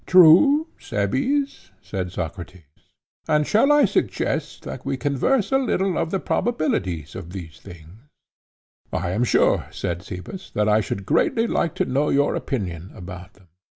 True, Cebes, said Socrates; and shall I suggest that we converse a little of the probabilities of these things? I am sure, said Cebes, that I should greatly like to know your opinion about them.